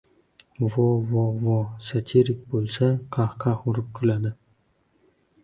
Vo-vo-vo, satirik bo‘lsa, qah-qah urib kuladi.